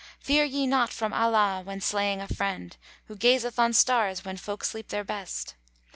Fear ye not from Allah when slaying a friend * Who gazeth on stars when folk sleep their best?